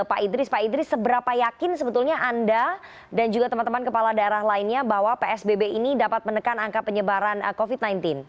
pak idris pak idris seberapa yakin sebetulnya anda dan juga teman teman kepala daerah lainnya bahwa psbb ini dapat menekan angka penyebaran covid sembilan belas